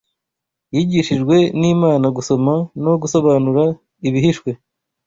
yigishijwe n’Imana gusoma no gusobanura ibihishwe